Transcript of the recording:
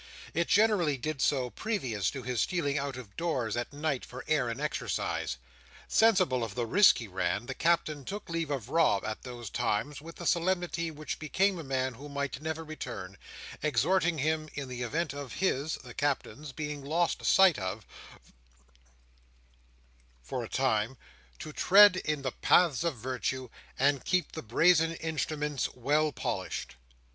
It generally did so previous to his stealing out of doors at night for air and exercise. Sensible of the risk he ran, the Captain took leave of Rob, at those times, with the solemnity which became a man who might never return: exhorting him, in the event of his (the Captain's) being lost sight of, for a time, to tread in the paths of virtue, and keep the brazen instruments well polished.